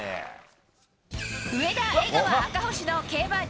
上田、江川、赤星の競馬Ｇ